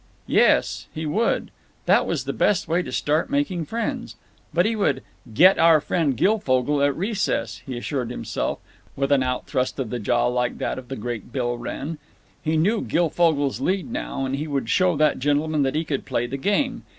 Yes. He would. That was the best way to start making friends. But he would "get our friend Guilfogle at recess," he assured himself, with an out thrust of the jaw like that of the great Bill Wrenn. He knew Guilfogle's lead now, and he would show that gentleman that he could play the game.